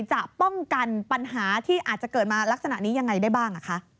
จะป้องกันปัญหาที่อาจจะเกิดมาลักษณะนี้ยังไงได้บ้าง